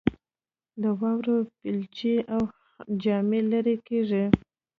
د واورې بیلچې او جامې لیرې کیږي